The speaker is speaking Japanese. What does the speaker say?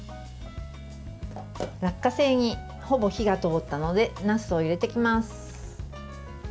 落花生に、ほぼ火が通ったのでなすを入れていきます。